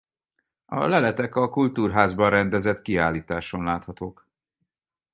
A leletek a kultúrházban rendezett kiállításon láthatók.